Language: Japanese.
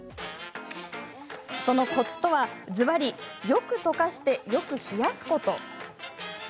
そのコツとは、ずばりよく溶かして、よく冷やすこと。